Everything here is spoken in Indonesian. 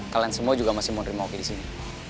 kalian semua juga masih mau nerima oki disini